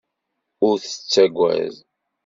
Ur tettagad.